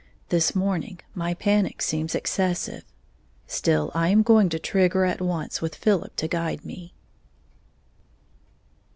This morning my panic seems excessive; still I am going to Trigger at once with Philip to guide me.